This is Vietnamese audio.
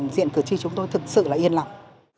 diện cử tri chúng tôi thực sự là yên lòng